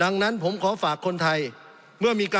สงบจนจะตายหมดแล้วครับ